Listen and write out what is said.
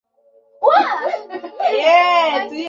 তিনি ছিলেন দয়াময়ী এবং উদয়নারায়ন এর প্রথম সন্তান।